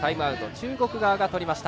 中国側がとりました。